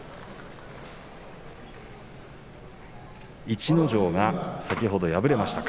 逸ノ城が先ほど敗れました。